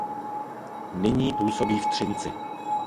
Nyní působí v Třinci.